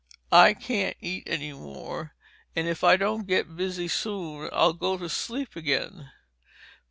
"I can't eat any more, and if I don't get busy soon, I'll go to sleep again."